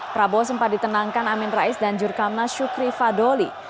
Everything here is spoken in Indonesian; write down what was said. prabowo sempat ditenangkan amin rais dan jurkamnas syukri fadoli